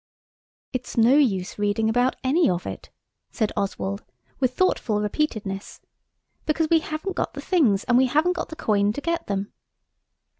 "It's no use reading about any of it," said Oswald, with thoughtful repeatedness, "because we haven't got the things, and we haven't got the coin to get them."